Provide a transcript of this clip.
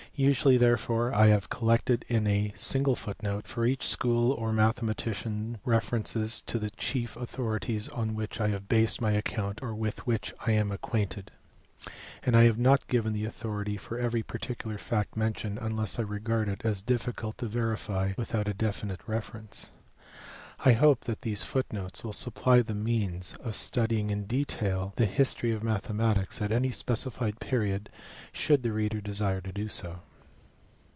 Usually therefore I have collected in a single footnote for each school or mathematician references to the chief PREFACE. Vll authorities on which I have based my account or with which I am acquainted, and I have not given the authority for every particular fact mentioned unless I regard it as difficult to verify without a definite reference. I hope that these footnotes will supply the means of studying in detail the history of mathematics at any specified period should the reader desire to do so.